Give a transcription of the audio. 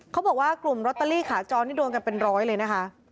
เขาบอกว่ากลุ่มลอตเตอรี่ขาจรนี่โดนกันเป็นร้อยเลยนะคะ